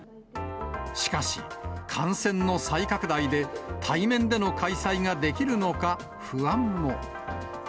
しかし、感染の再拡大で、対面での開催ができるのか不安も。